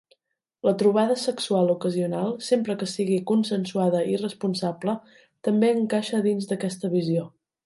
La trobada sexual ocasional, sempre que sigui consensuada i responsable, també encaixa dins d'aquesta visió.